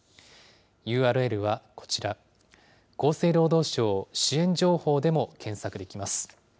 ＵＲＬはこちら、厚生労働省支援情報でも検索できます。